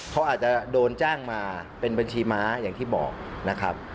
เขาอาจจะโดนจ้างมาเป็นบัญชีม้าอย่างที่บอกนะครับ